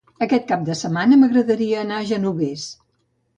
Aquest cap de setmana m'agradaria anar al Genovés.